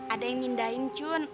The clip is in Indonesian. ada yang mindain cun